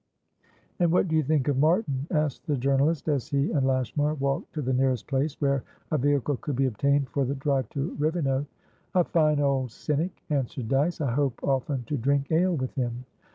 "And what do you think of Martin?" asked the journalist, as he and Lashmar walked to the nearest place where a vehicle could be obtained for the drive to Rivenoak. "A fine old cynic!" answered Dyce. "I hope often to drink ale with him."